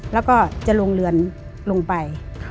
แล้วก็จะลงเรือนลงไป